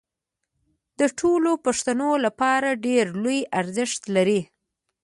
د ټولو پښتنو لپاره ډېر لوی ارزښت لري